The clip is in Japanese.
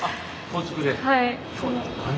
はい。